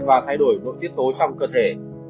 và thay đổi nội tiết tố trong cơ thể